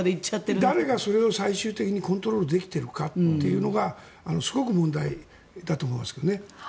だから誰がそれを最終的にコントロールできているかがすごく問題だと思いますけどね。